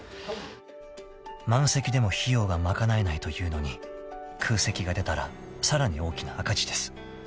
［満席でも費用が賄えないというのに空席が出たらさらに大きな赤字です］